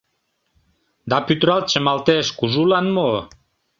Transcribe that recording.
Да пӱтыралт чымалтеш - кужулан мо?